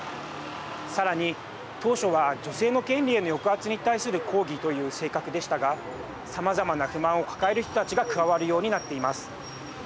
さらに当初は女性の権利への抑圧に対する抗議という性格でしたがさまざまな不満を抱える人たちが加わるようになっています。